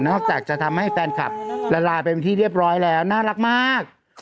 อกจากจะทำให้แฟนคลับละลายไปเป็นที่เรียบร้อยแล้วน่ารักมาก